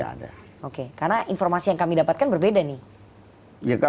belum pernah ada komunikasi dan belum ada rencana